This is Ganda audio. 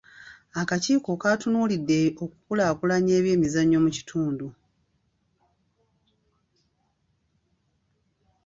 Akakiiko katunuulidde okukulaakulanya ebyemizannyo mu kitundu.